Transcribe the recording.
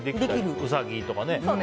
ウサギとか。